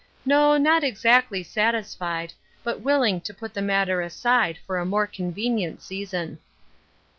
No, not exactly satisfied, but will ing to put the matter aside for a more convenient season.